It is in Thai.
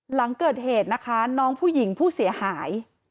หลังเกิดเหตุนะคะน้องผู้หญิงผู้เสียหาย